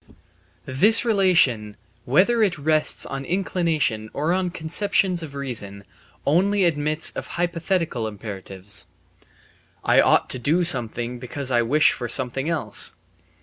This relation, whether it rests on inclination or on conceptions of reason, only admits of hypothetical imperatives: "I ought to do something because I wish for something else."